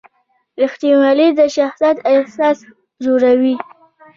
رښتینولي د شخصیت اساس جوړوي.